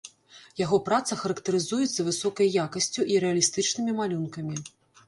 Яго праца характарызуецца высокай якасцю і рэалістычнымі малюнкамі.